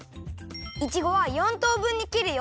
いちごは４とう分に切るよ。